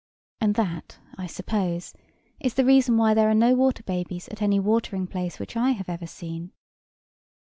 And that, I suppose, is the reason why there are no water babies at any watering place which I have ever seen.